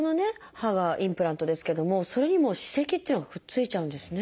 歯がインプラントですけどもそれにも歯石っていうのがくっついちゃうんですね。